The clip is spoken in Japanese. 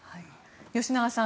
吉永さん